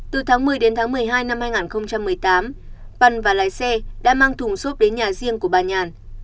từ tháng một mươi đến tháng một mươi hai năm hai nghìn một mươi tám văn và lái xe đã mang thùng xốp đến nhà riêng của bà nhàn